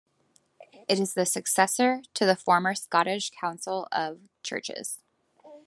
It is the successor to the former Scottish Council of Churches.